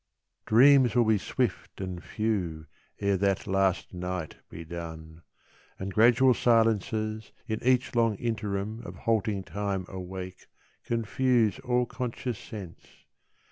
Dreams will be swift and few Ere that last night be done, And gradual silences In each long interim Of halting time awake Confuse all conscious sense.